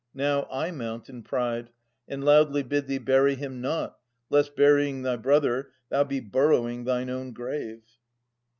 Now I mount in pride, And loudly bid thee bury him not, lest burying Thy brother thou be burrowing thine own grave.